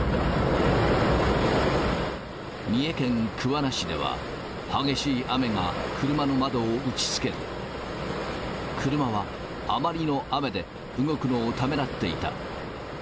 三重県桑名市では、激しい雨が車の窓を打ちつけ、車はあまりの雨で動くのをためらっていた。